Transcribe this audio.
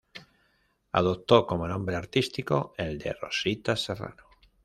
Adoptó como nombre artístico el de Rosita Serrano.